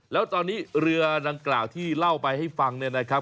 แล้วตอนนี้เรือดังกล่าวที่เล่าไปให้ฟังเนี่ยนะครับ